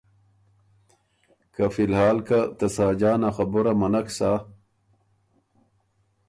که فی الحال که ته ساجان آ خبُره منک سۀ